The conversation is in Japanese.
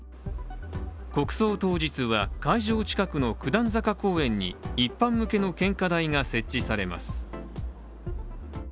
国葬当日は、会場近くの九段坂公園に一般向けの献花台が設置されます。